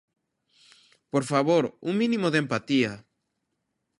Por favor, un mínimo de empatía.